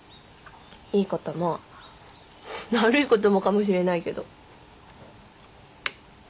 いいことも悪いこともかもしれないけど。